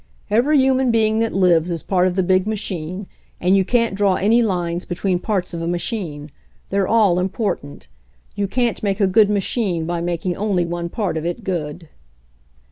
"Every human being that lives is part of the big machine, and you can't draw any lines between parts of a machine. They're all important. You can't make a good machine by making only one part of it good."